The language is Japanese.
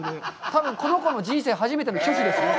多分、この子の人生初めての拒否ですよね。